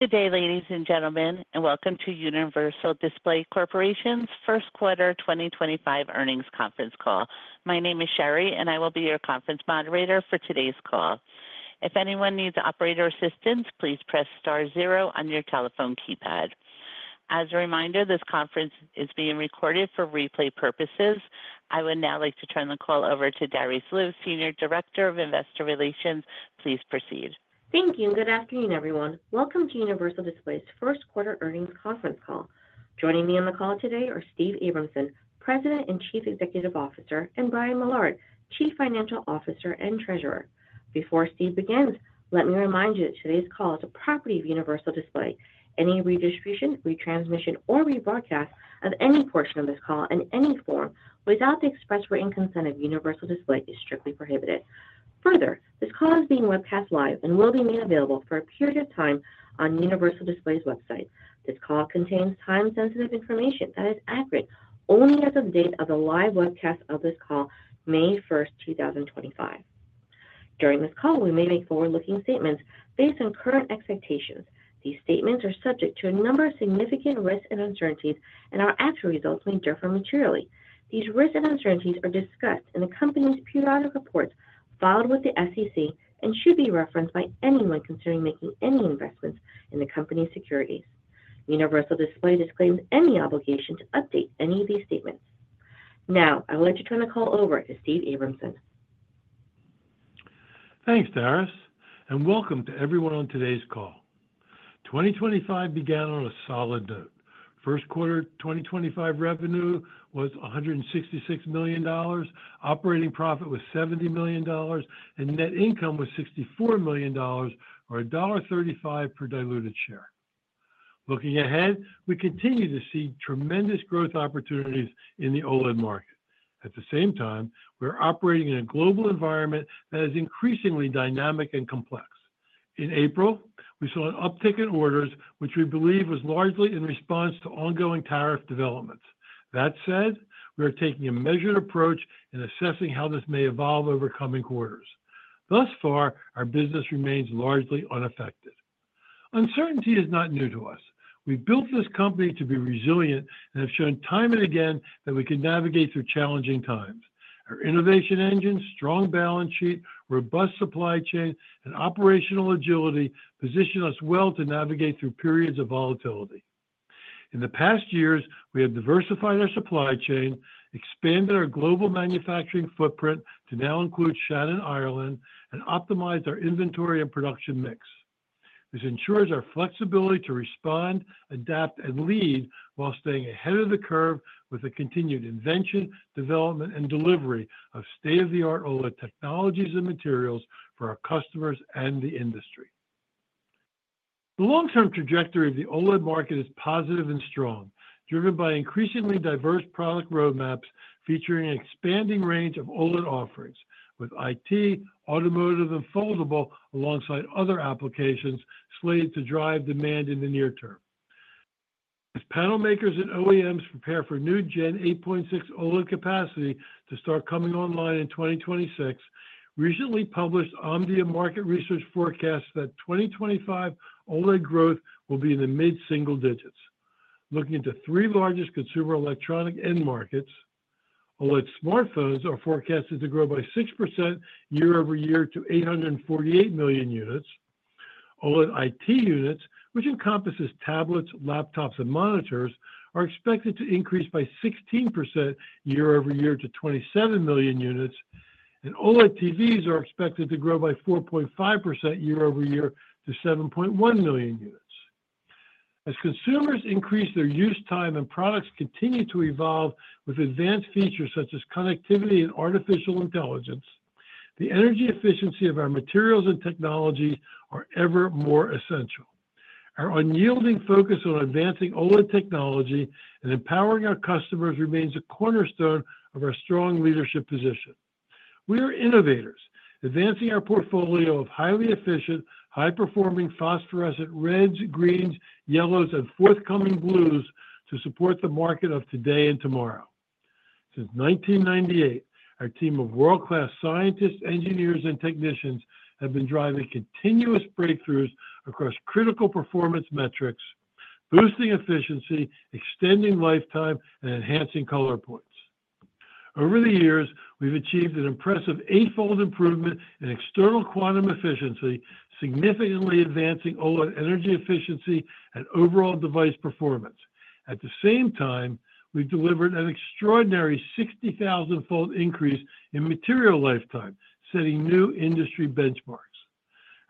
Good day, ladies and gentlemen, and welcome to Universal Display Corporation's first quarter 2025 earnings conference call. My name is Sherry, and I will be your conference moderator for today's call. If anyone needs operator assistance, please press star zero on your telephone keypad. As a reminder, this conference is being recorded for replay purposes. I would now like to turn the call over to Darice Liu, Senior Director of Investor Relations. Please proceed. Thank you, and good afternoon, everyone. Welcome to Universal Display's first quarter earnings conference call. Joining me on the call today are Steve Abramson, President and Chief Executive Officer, and Brian Millard, Chief Financial Officer and Treasurer. Before Steve begins, let me remind you that today's call is a property of Universal Display. Any redistribution, retransmission, or rebroadcast of any portion of this call in any form without the express written consent of Universal Display is strictly prohibited. Further, this call is being webcast live and will be made available for a period of time on Universal Display's website. This call contains time-sensitive information that is accurate only as of the date of the live webcast of this call, May 1st, 2025. During this call, we may make forward-looking statements based on current expectations. These statements are subject to a number of significant risks and uncertainties, and our actual results may differ materially. These risks and uncertainties are discussed in the company's periodic reports filed with the SEC and should be referenced by anyone considering making any investments in the company's securities. Universal Display disclaims any obligation to update any of these statements. Now, I would like to turn the call over to Steve Abramson. Thanks, Darice, and welcome to everyone on today's call. 2025 began on a solid note. First quarter 2025 revenue was $166 million, operating profit was $70 million, and net income was $64 million, or $1.35 per diluted share. Looking ahead, we continue to see tremendous growth opportunities in the OLED market. At the same time, we're operating in a global environment that is increasingly dynamic and complex. In April, we saw an uptick in orders, which we believe was largely in response to ongoing tariff developments. That said, we are taking a measured approach in assessing how this may evolve over coming quarters. Thus far, our business remains largely unaffected. Uncertainty is not new to us. We built this company to be resilient and have shown time and again that we can navigate through challenging times. Our innovation engine, strong balance sheet, robust supply chain, and operational agility position us well to navigate through periods of volatility. In the past years, we have diversified our supply chain, expanded our global manufacturing footprint to now include Shannon, Ireland, and optimized our inventory and production mix. This ensures our flexibility to respond, adapt, and lead while staying ahead of the curve with the continued invention, development, and delivery of state-of-the-art OLED technologies and materials for our customers and the industry. The long-term trajectory of the OLED market is positive and strong, driven by increasingly diverse product roadmaps featuring an expanding range of OLED offerings, with IT, automotive, and foldable alongside other applications slated to drive demand in the near term. As panel makers and OEMs prepare for new Gen 8.6 OLED capacity to start coming online in 2026, recently published Omdia market research forecasts that 2025 OLED growth will be in the mid-single digits. Looking at the three largest consumer electronic end markets, OLED smartphones are forecasted to grow by 6% year-over-year to 848 million units. OLED IT units, which encompasses tablets, laptops, and monitors, are expected to increase by 16% year-over-year to 27 million units, and OLED TVs are expected to grow by 4.5% year-over-year to 7.1 million units. As consumers increase their use time and products continue to evolve with advanced features such as connectivity and artificial intelligence, the energy efficiency of our materials and technologies is ever more essential. Our unyielding focus on advancing OLED technology and empowering our customers remains a cornerstone of our strong leadership position. We are innovators, advancing our portfolio of highly efficient, high-performing phosphorescent reds, greens, yellows, and forthcoming blues to support the market of today and tomorrow. Since 1998, our team of world-class scientists, engineers, and technicians has been driving continuous breakthroughs across critical performance metrics, boosting efficiency, extending lifetime, and enhancing color points. Over the years, we've achieved an impressive eight-fold improvement in external quantum efficiency, significantly advancing OLED energy efficiency and overall device performance. At the same time, we've delivered an extraordinary 60,000-fold increase in material lifetime, setting new industry benchmarks.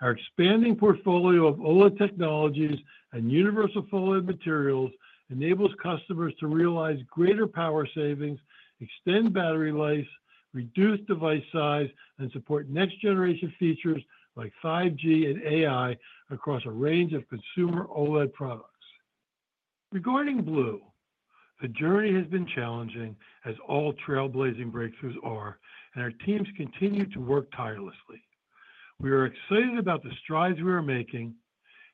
Our expanding portfolio of OLED technologies and UniversalPHOLED materials enables customers to realize greater power savings, extend battery life, reduce device size, and support next-generation features like 5G and AI across a range of consumer OLED products. Regarding blue, the journey has been challenging, as all trailblazing breakthroughs are, and our teams continue to work tirelessly. We are excited about the strides we are making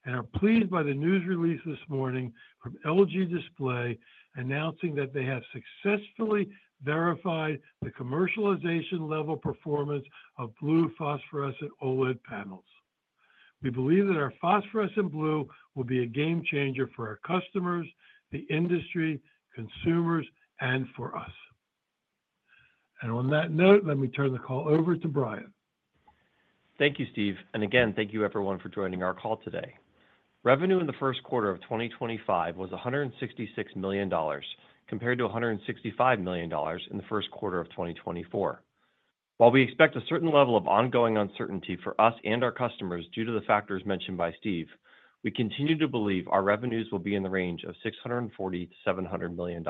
and are pleased by the news release this morning from LG Display announcing that they have successfully verified the commercialization-level performance of blue phosphorescent OLED panels. We believe that our phosphorescent blue will be a game changer for our customers, the industry, consumers, and for us. On that note, let me turn the call over to Brian. Thank you, Steve. Thank you everyone for joining our call today. Revenue in the first quarter of 2025 was $166 million, compared to $165 million in the first quarter of 2024. While we expect a certain level of ongoing uncertainty for us and our customers due to the factors mentioned by Steve, we continue to believe our revenues will be in the range of $640 million-$700 million.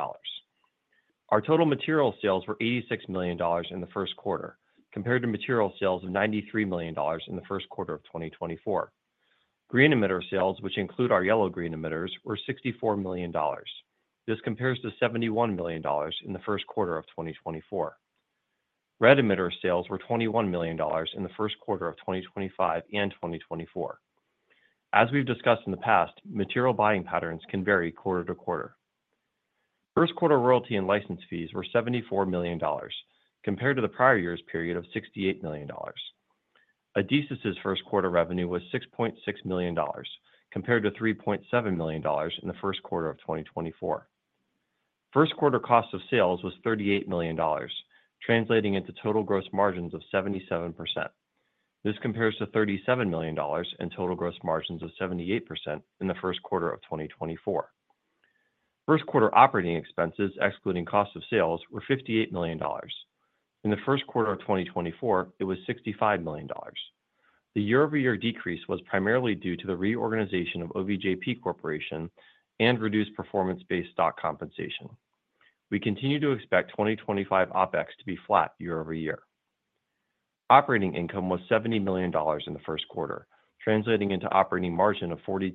Our total material sales were $86 million in the first quarter, compared to material sales of $93 million in the first quarter of 2024. Green emitter sales, which include our yellow-green emitters, were $64 million. This compares to $71 million in the first quarter of 2024. Red emitter sales were $21 million in the first quarter of 2025 and 2024. As we have discussed in the past, material buying patterns can vary quarter-to-quarter. First quarter royalty and license fees were $74 million, compared to the prior year's period of $68 million. Adesis's first quarter revenue was $6.6 million, compared to $3.7 million in the first quarter of 2024. First quarter cost of sales was $38 million, translating into total gross margins of 77%. This compares to $37 million and total gross margins of 78% in the first quarter of 2024. First quarter operating expenses, excluding cost of sales, were $58 million. In the first quarter of 2024, it was $65 million. The year-over-year decrease was primarily due to the reorganization of OVJP Corporation and reduced performance-based stock compensation. We continue to expect 2025 OPEX to be flat year-over-year. Operating income was $70 million in the first quarter, translating into operating margin of 42%.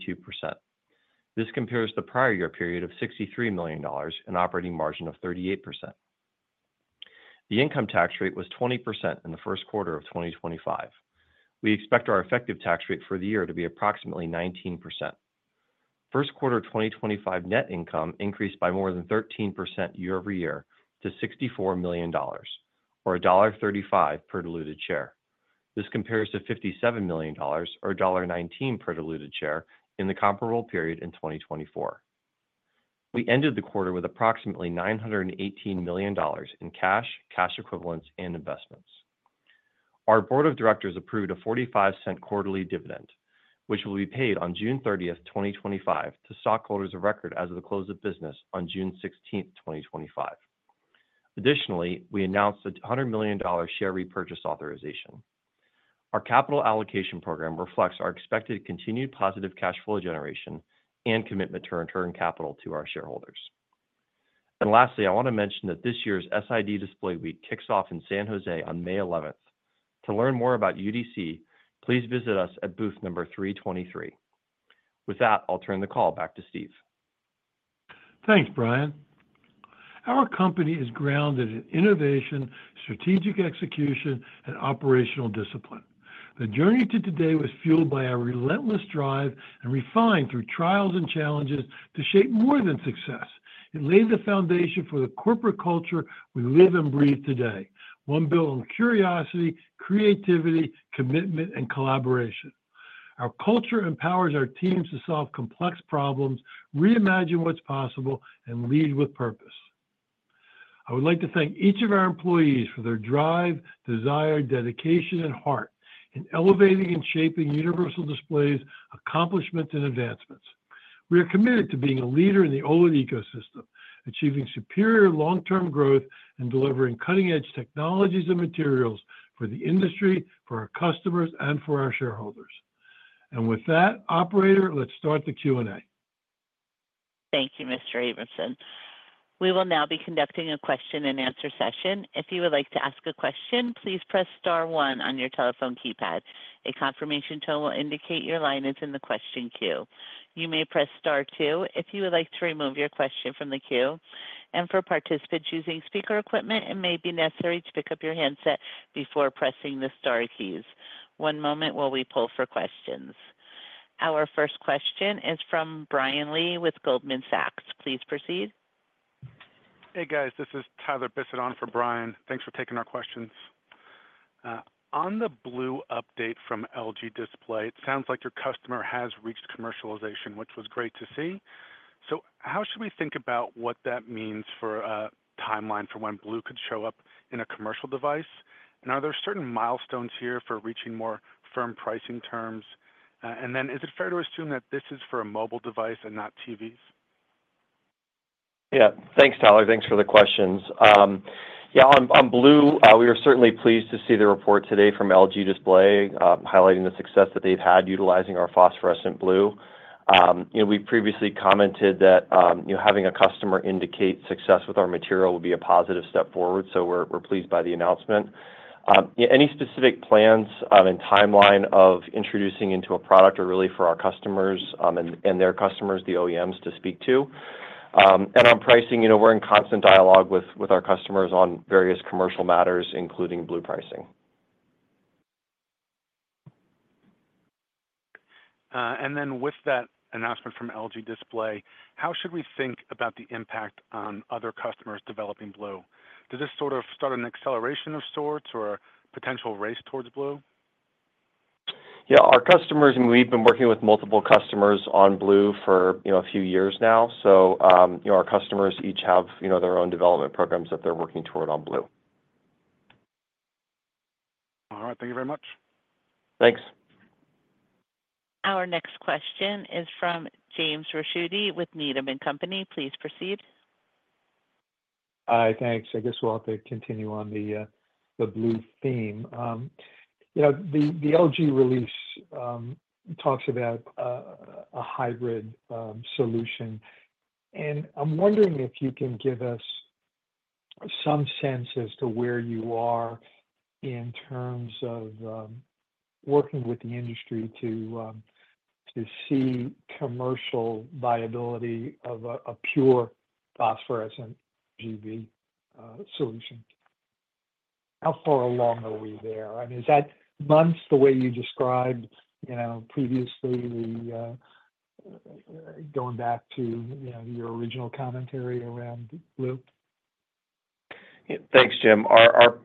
This compares to the prior year period of $63 million and operating margin of 38%. The income tax rate was 20% in the first quarter of 2025. We expect our effective tax rate for the year to be approximately 19%. First quarter 2025 net income increased by more than 13% year-over-year to $64 million, or $1.35 per diluted share. This compares to $57 million, or $1.19 per diluted share in the comparable period in 2024. We ended the quarter with approximately $918 million in cash, cash equivalents, and investments. Our board of directors approved a $0.45 quarterly dividend, which will be paid on June 30th, 2025, to stockholders of record as of the close of business on June 16th, 2025. Additionally, we announced a $100-million share repurchase authorization. Our capital allocation program reflects our expected continued positive cash flow generation and commitment to return capital to our shareholders. Lastly, I want to mention that this year's SID Display Week kicks off in San Jose on May 11th. To learn more about UDC, please visit us at booth number 323. With that, I'll turn the call back to Steve. Thanks, Brian. Our company is grounded in innovation, strategic execution, and operational discipline. The journey to today was fueled by our relentless drive and refined through trials and challenges to shape more than success. It laid the foundation for the corporate culture we live and breathe today, one built on curiosity, creativity, commitment, and collaboration. Our culture empowers our teams to solve complex problems, reimagine what's possible, and lead with purpose. I would like to thank each of our employees for their drive, desire, dedication, and heart in elevating and shaping Universal Display's accomplishments and advancements. We are committed to being a leader in the OLED ecosystem, achieving superior long-term growth and delivering cutting-edge technologies and materials for the industry, for our customers, and for our shareholders. With that, Operator, let's start the Q&A. Thank you, Mr. Abramson. We will now be conducting a question-and-answer session. If you would like to ask a question, please press star one on your telephone keypad. A confirmation tone will indicate your line is in the question queue. You may press star two if you would like to remove your question from the queue. For participants using speaker equipment, it may be necessary to pick up your handset before pressing the star keys. One moment while we pull for questions. Our first question is from Brian Liu with Goldman Sachs. Please proceed. Hey, guys. This is Tyler Bisset on for Brian. Thanks for taking our questions. On the blue update from LG Display, it sounds like your customer has reached commercialization, which was great to see. How should we think about what that means for a timeline for when blue could show up in a commercial device? Are there certain milestones here for reaching more firm pricing terms? Is it fair to assume that this is for a mobile device and not TVs? Yeah. Thanks, Tyler. Thanks for the questions. Yeah, on blue, we were certainly pleased to see the report today from LG Display highlighting the success that they've had utilizing our phosphorescent blue. We previously commented that having a customer indicate success with our material would be a positive step forward, so we're pleased by the announcement. Any specific plans and timeline of introducing into a product are really for our customers and their customers, the OEMs, to speak to. On pricing, we're in constant dialogue with our customers on various commercial matters, including blue pricing. With that announcement from LG Display, how should we think about the impact on other customers developing blue? Does this sort of start an acceleration of sorts or a potential race towards blue? Yeah, our customers, and we've been working with multiple customers on blue for a few years now. Our customers each have their own development programs that they're working toward on blue. All right. Thank you very much. Thanks. Our next question is from James Ricchiuti with Needham & Company. Please proceed. Hi, thanks. I guess we'll have to continue on the blue theme. The LG release talks about a hybrid solution. I'm wondering if you can give us some sense as to where you are in terms of working with the industry to see commercial viability of a pure phosphorescent GV solution. How far along are we there? I mean, is that months, the way you described previously, going back to your original commentary around blue? Thanks, Jim. Our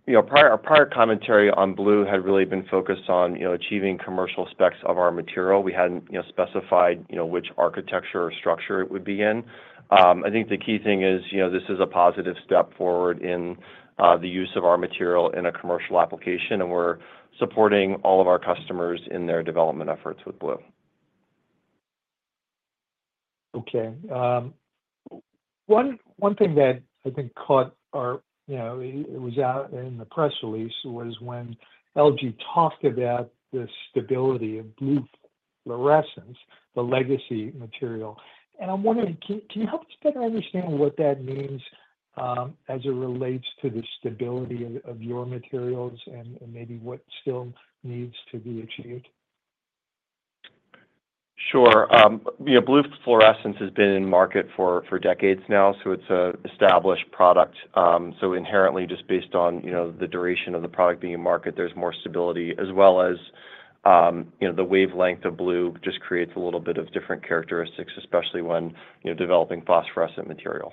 prior commentary on blue had really been focused on achieving commercial specs of our material. We hadn't specified which architecture or structure it would be in. I think the key thing is this is a positive step forward in the use of our material in a commercial application, and we're supporting all of our customers in their development efforts with blue. Okay. One thing that I think caught our eye, it was out in the press release, was when LG talked about the stability of blue fluorescence, the legacy material. I'm wondering, can you help us better understand what that means as it relates to the stability of your materials and maybe what still needs to be achieved? Sure. Blue fluorescence has been in market for decades now, so it's an established product. Inherently, just based on the duration of the product being in market, there's more stability, as well as the wavelength of blue just creates a little bit of different characteristics, especially when developing phosphorescent material.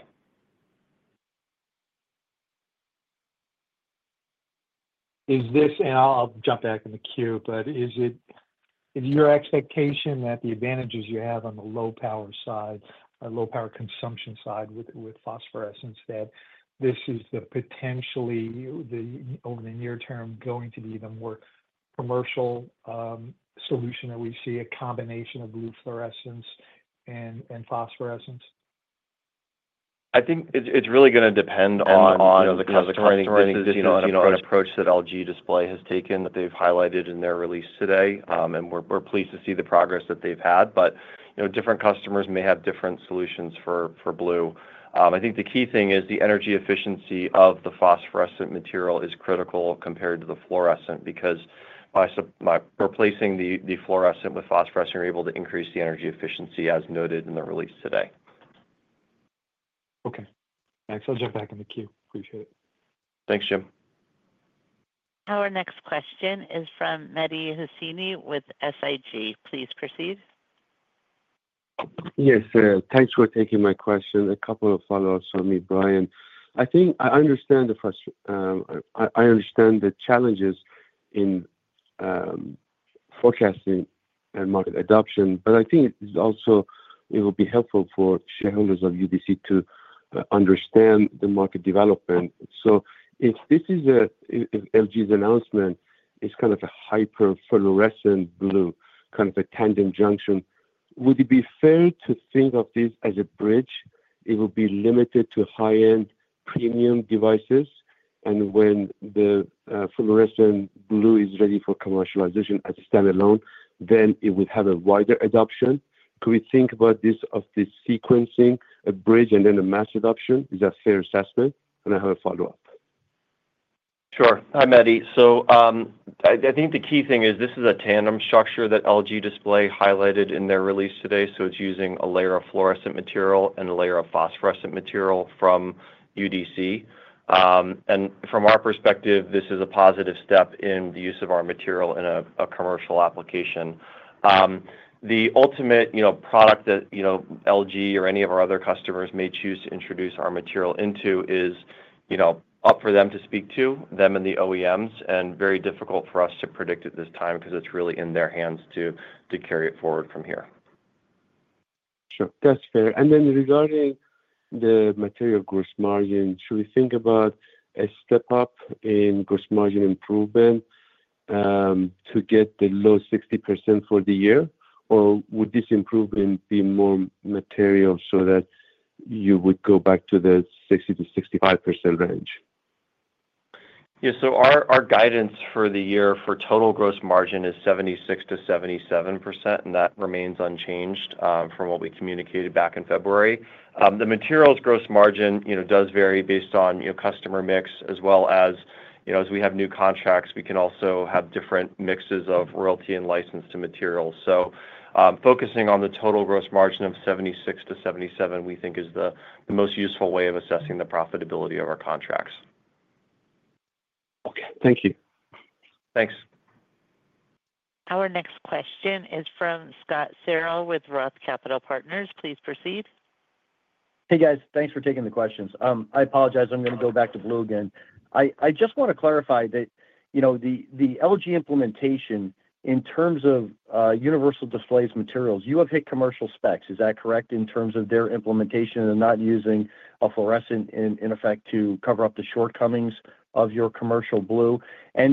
Is this, and I'll jump back in the queue, but is it your expectation that the advantages you have on the low-power side, low-power consumption side with phosphorescence, that this is potentially, over the near term, going to be the more commercial solution that we see, a combination of blue fluorescence and phosphorescence? I think it's really going to depend on the kind of explaining position on an approach that LG Display has taken that they've highlighted in their release today. We're pleased to see the progress that they've had. Different customers may have different solutions for blue. I think the key thing is the energy efficiency of the phosphorescent material is critical compared to the fluorescent because by replacing the fluorescent with phosphorescence, you're able to increase the energy efficiency, as noted in the release today. Okay. Thanks. I'll jump back in the queue. Appreciate it. Thanks, Jim. Our next question is from Mehdi Hosseini with SIG. Please proceed. Yes. Thanks for taking my question. A couple of follow-ups from me, Brian. I think I understand the challenges in forecasting and market adoption, but I think it will be helpful for shareholders of UDC to understand the market development. If this is LG's announcement, it's kind of a hyper-fluorescent blue, kind of a tandem junction, would it be fair to think of this as a bridge? It will be limited to high-end premium devices. When the fluorescent blue is ready for commercialization as a standalone, then it would have a wider adoption. Could we think about this as the sequencing, a bridge, and then a mass adoption? Is that a fair assessment? I have a follow-up. Sure. Hi, Mehdi. I think the key thing is this is a Tandem structure that LG Display highlighted in their release today. It is using a layer of fluorescent material and a layer of phosphorescent material from UDC. From our perspective, this is a positive step in the use of our material in a commercial application. The ultimate product that LG or any of our other customers may choose to introduce our material into is up for them to speak to, them and the OEMs, and very difficult for us to predict at this time because it is really in their hands to carry it forward from here. Sure. That's fair. Regarding the material gross margin, should we think about a step up in gross margin improvement to get the low 60% for the year, or would this improvement be more material so that you would go back to the 60%-65% range? Yeah. Our guidance for the year for total gross margin is 76%-77%, and that remains unchanged from what we communicated back in February. The materials gross margin does vary based on customer mix, as well as as we have new contracts, we can also have different mixes of royalty and license to materials. Focusing on the total gross margin of 76%-77%, we think, is the most useful way of assessing the profitability of our contracts. Okay. Thank you. Thanks. Our next question is from Scott Searle with Roth Capital Partners. Please proceed. Hey, guys. Thanks for taking the questions. I apologize. I'm going to go back to blue again. I just want to clarify that the LG implementation in terms of Universal Display's materials, you have hit commercial specs. Is that correct in terms of their implementation and not using a fluorescent, in effect, to cover up the shortcomings of your commercial blue?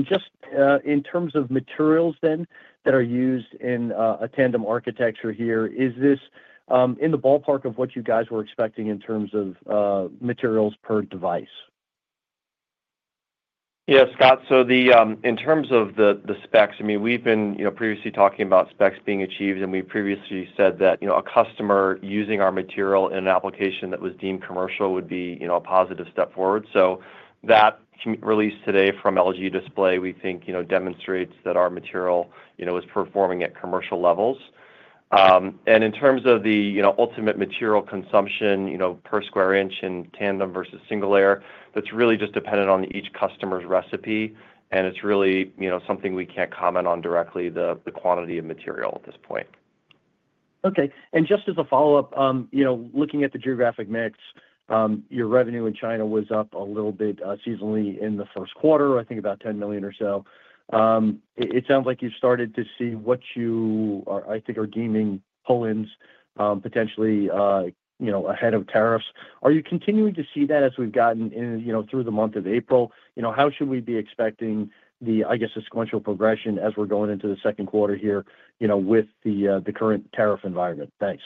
Just in terms of materials then that are used in a tandem architecture here, is this in the ballpark of what you guys were expecting in terms of materials per device? Yeah, Scott. In terms of the specs, I mean, we've been previously talking about specs being achieved, and we previously said that a customer using our material in an application that was deemed commercial would be a positive step forward. That release today from LG Display, we think, demonstrates that our material is performing at commercial levels. In terms of the ultimate material consumption per square inch in tandem versus single layer, that's really just dependent on each customer's recipe. It's really something we can't comment on directly, the quantity of material at this point. Okay. Just as a follow-up, looking at the geographic mix, your revenue in China was up a little bit seasonally in the first quarter, I think about $10 million or so. It sounds like you've started to see what you, I think, are deeming pullings potentially ahead of tariffs. Are you continuing to see that as we've gotten through the month of April? How should we be expecting the, I guess, sequential progression as we're going into the second quarter here with the current tariff environment? Thanks.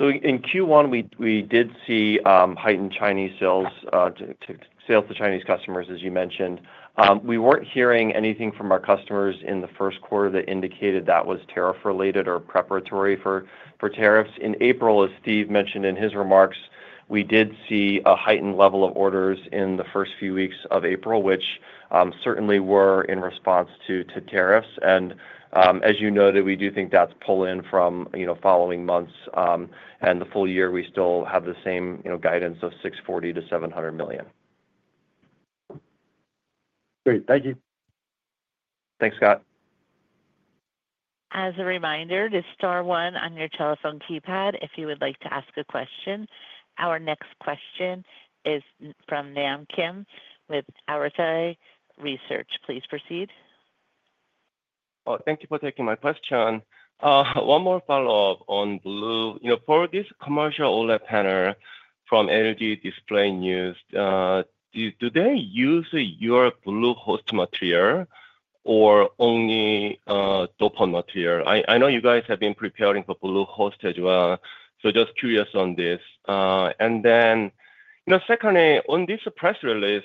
In Q1, we did see heightened sales to Chinese customers, as you mentioned. We were not hearing anything from our customers in the first quarter that indicated that was tariff-related or preparatory for tariffs. In April, as Steve mentioned in his remarks, we did see a heightened level of orders in the first few weeks of April, which certainly were in response to tariffs. As you noted, we do think that is pulling from following months. For the full year, we still have the same guidance of $640 million-$700 million. Great. Thank you. Thanks, Scott. As a reminder, this is star one on your telephone keypad if you would like to ask a question. Our next question is from Nam Kim with Arete Research. Please proceed. Thank you for taking my question. One more follow-up on blue. For this commercial OLED panel from LG Display news, do they use your blue host material or only dopant material? I know you guys have been preparing for blue host as well. Just curious on this. Secondly, on this press release,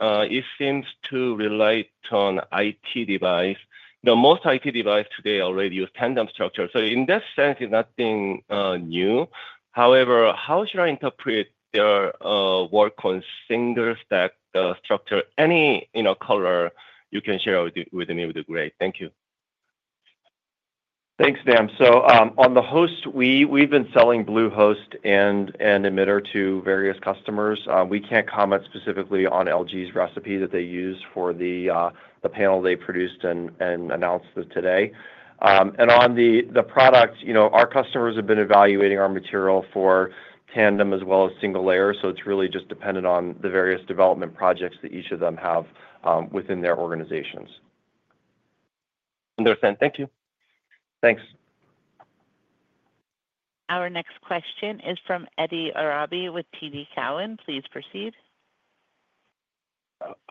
it seems to relate to an IT device. Most IT devices today already use Tandem structure. In that sense, it's nothing new. However, how should I interpret their work on single-stack structure? Any color you can share with me would be great. Thank you. Thanks, Nam. On the host, we've been selling blue host and emitter to various customers. We can't comment specifically on LG's recipe that they use for the panel they produced and announced today. On the product, our customers have been evaluating our material for tandem as well as single layer. It's really just dependent on the various development projects that each of them have within their organizations. Understand. Thank you. Thanks. Our next question is from Eddy Orabi with TD Cowen. Please proceed.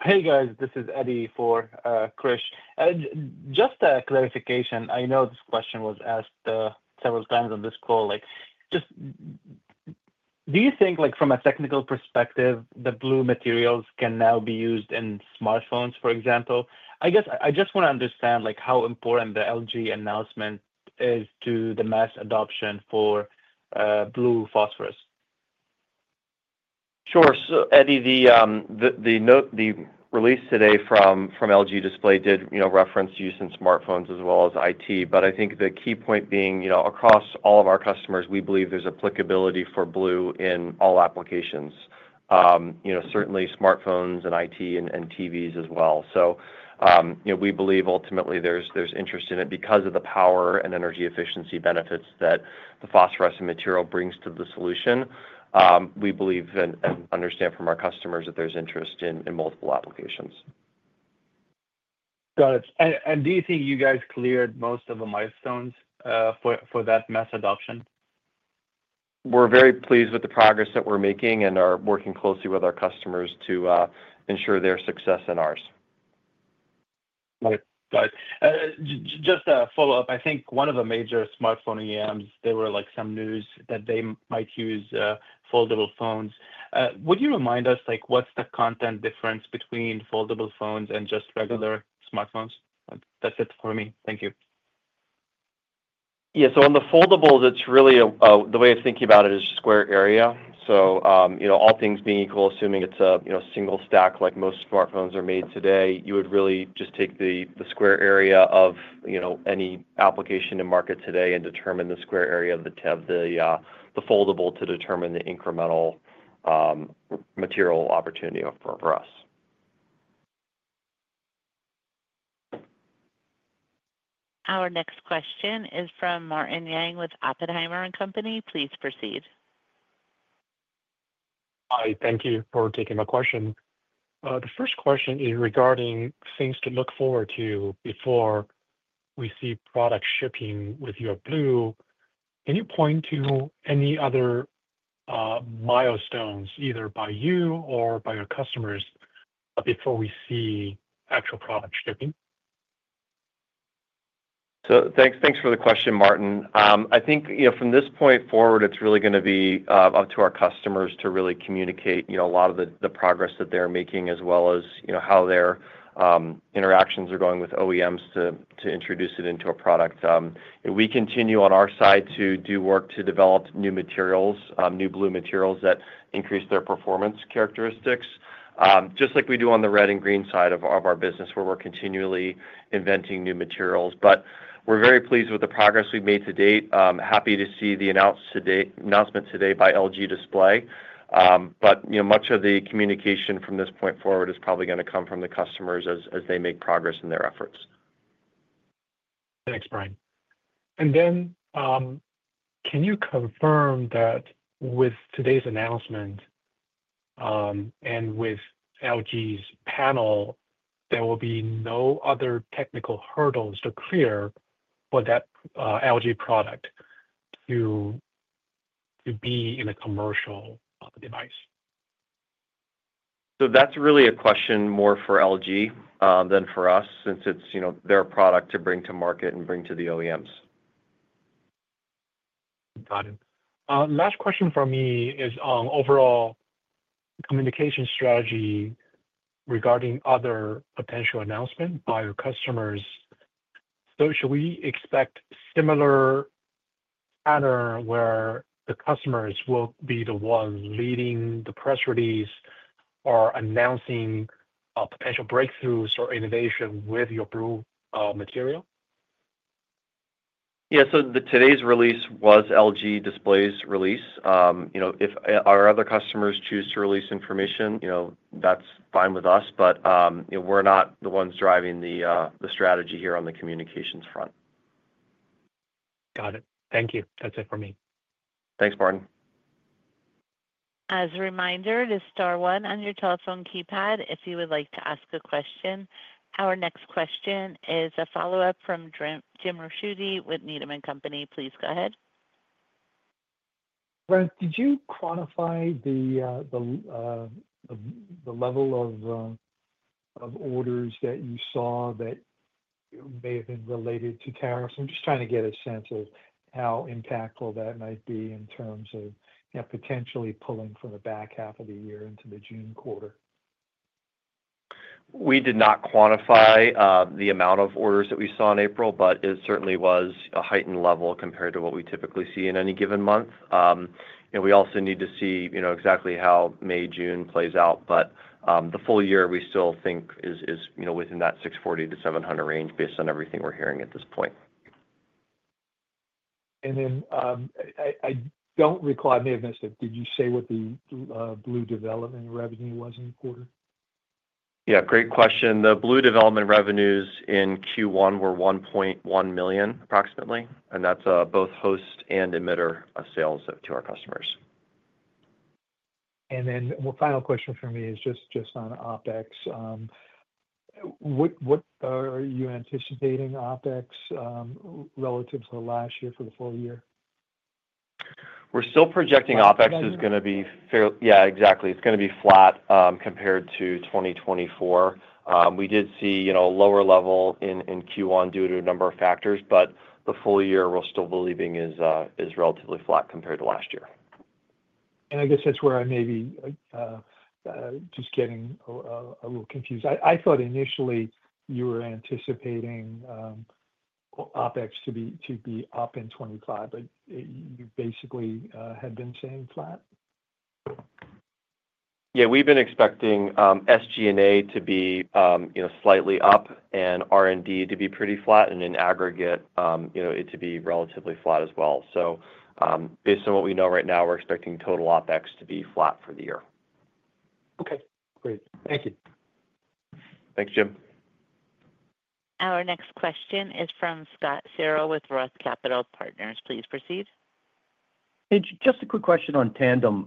Hey, guys. This is Eddy for Krish. Just a clarification. I know this question was asked several times on this call. Do you think, from a technical perspective, the blue materials can now be used in smartphones, for example? I guess I just want to understand how important the LG announcement is to the mass adoption for blue phosphorus. Sure. Eddy, the release today from LG Display did reference use in smartphones as well as IT. I think the key point being, across all of our customers, we believe there's applicability for blue in all applications, certainly smartphones and IT and TVs as well. We believe, ultimately, there's interest in it because of the power and energy efficiency benefits that the phosphorescent material brings to the solution. We believe and understand from our customers that there's interest in multiple applications. Got it. Do you think you guys cleared most of the milestones for that mass adoption? We're very pleased with the progress that we're making and are working closely with our customers to ensure their success and ours. Got it. Got it. Just a follow-up. I think one of the major smartphone OEMs, there were some news that they might use foldable phones. Would you remind us what's the content difference between foldable phones and just regular smartphones? That's it for me. Thank you. Yeah. On the foldables, it's really the way of thinking about it is square area. All things being equal, assuming it's a single stack like most smartphones are made today, you would really just take the square area of any application in market today and determine the square area of the foldable to determine the incremental material opportunity for us. Our next question is from Martin Yang with Oppenheimer & Co. Please proceed. Hi. Thank you for taking my question. The first question is regarding things to look forward to before we see product shipping with your blue. Can you point to any other milestones, either by you or by your customers, before we see actual product shipping? Thanks for the question, Martin. I think from this point forward, it's really going to be up to our customers to really communicate a lot of the progress that they're making, as well as how their interactions are going with OEMs to introduce it into a product. We continue on our side to do work to develop new materials, new blue materials that increase their performance characteristics, just like we do on the red and green side of our business, where we're continually inventing new materials. We're very pleased with the progress we've made to date. Happy to see the announcement today by LG Display. Much of the communication from this point forward is probably going to come from the customers as they make progress in their efforts. Thanks, Brian. Can you confirm that with today's announcement and with LG's panel, there will be no other technical hurdles to clear for that LG product to be in a commercial device? That's really a question more for LG Display than for us since it's their product to bring to market and bring to the OEMs. Got it. Last question for me is on overall communication strategy regarding other potential announcements by your customers. Should we expect a similar pattern where the customers will be the ones leading the press release or announcing potential breakthroughs or innovation with your blue material? Yeah. Today's release was LG Display's release. If our other customers choose to release information, that's fine with us. We're not the ones driving the strategy here on the communications front. Got it. Thank you. That's it for me. Thanks, Martin. As a reminder, this is star one on your telephone keypad if you would like to ask a question. Our next question is a follow-up from James Ricchiuti with Needham & Company. Please go ahead. Brian, did you quantify the level of orders that you saw that may have been related to tariffs? I'm just trying to get a sense of how impactful that might be in terms of potentially pulling from the back half of the year into the June quarter. We did not quantify the amount of orders that we saw in April, but it certainly was a heightened level compared to what we typically see in any given month. We also need to see exactly how May, June plays out. The full year, we still think is within that $640 million-$700 million range based on everything we're hearing at this point. I don't recall. I may have missed it. Did you say what the blue development revenue was in the quarter? Yeah. Great question. The blue development revenues in Q1 were $1.1 million, approximately. And that's both host and emitter sales to our customers. Final question for me is just on OPEX. What are you anticipating OPEX relative to last year for the full year? We're still projecting OPEX is going to be fair. Yeah, exactly. It's going to be flat compared to 2024. We did see a lower level in Q1 due to a number of factors, but the full year we're still believing is relatively flat compared to last year. I guess that's where I may be just getting a little confused. I thought initially you were anticipating OPEX to be up in 2025, but you basically had been saying flat? Yeah. We've been expecting SG&A to be slightly up and R&D to be pretty flat. In aggregate, it to be relatively flat as well. Based on what we know right now, we're expecting total OPEX to be flat for the year. Okay. Great. Thank you. Thanks, Jim. Our next question is from Scott Searle with Roth Capital Partners. Please proceed. Just a quick question on Tandem.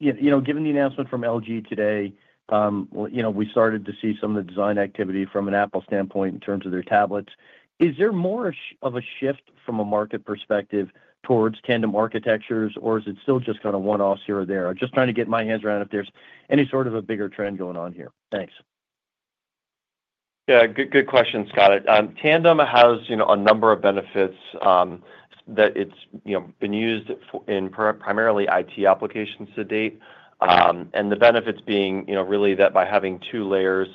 Given the announcement from LG today, we started to see some of the design activity from an Apple standpoint in terms of their tablets. Is there more of a shift from a market perspective towards Tandem architectures, or is it still just kind of one-offs here or there? I'm just trying to get my hands around if there's any sort of a bigger trend going on here. Thanks. Yeah. Good question, Scott. Tandem has a number of benefits that it's been used in primarily IT applications to date. The benefits being really that by having two layers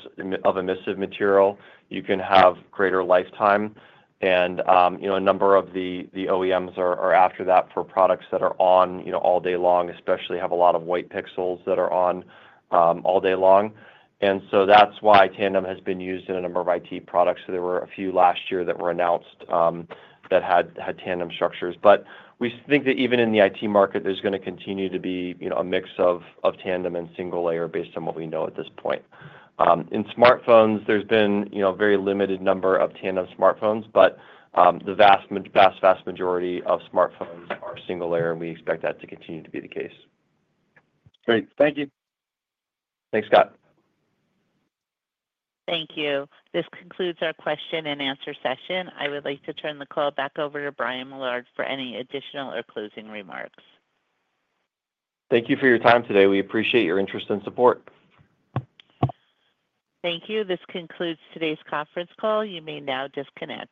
of emissive material, you can have greater lifetime. A number of the OEMs are after that for products that are on all day long, especially have a lot of white pixels that are on all day long. That is why Tandem has been used in a number of IT products. There were a few last year that were announced that had Tandem structures. We think that even in the IT market, there's going to continue to be a mix of Tandem and single layer based on what we know at this point. In smartphones, there's been a very limited number of Tandem smartphones, but the vast, vast majority of smartphones are single layer, and we expect that to continue to be the case. Great. Thank you. Thanks, Scott. Thank you. This concludes our question and answer session. I would like to turn the call back over to Brian Millard for any additional or closing remarks. Thank you for your time today. We appreciate your interest and support. Thank you. This concludes today's conference call. You may now disconnect.